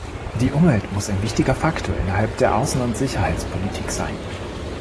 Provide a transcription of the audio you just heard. Die Umwelt muss ein wichtiger Faktor innerhalb der Außen- und Sicherheitspolitik sein.